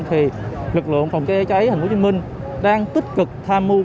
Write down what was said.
thì lực lượng phòng cháy cháy tp hcm đang tích cực tham mưu